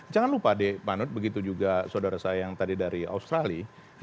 jangan lupa deh panut begitu juga saudara saya yang tadi dari australia